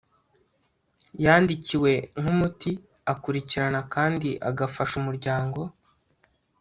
yandikiwe nk'umuti akurikirana kandi agafasha umuryango